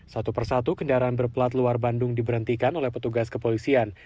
satu persatu kendaraan berplat luar bandung diberhentikan oleh petugas kepolisian